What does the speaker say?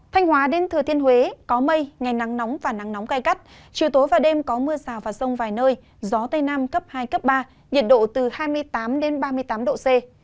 thanh hóa đến thừa thiên huế có mây ngày nắng nóng và nắng nóng gai gắt chiều tối và đêm có mưa rào và rông vài nơi gió tây nam cấp hai cấp ba nhiệt độ từ hai mươi tám ba mươi tám độ c